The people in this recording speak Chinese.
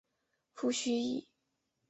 父徐灏。